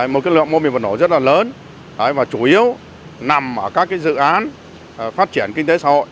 một lượng mô hình vật nổ rất là lớn và chủ yếu nằm ở các dự án phát triển kinh tế xã hội